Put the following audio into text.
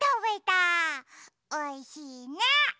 おいしいね。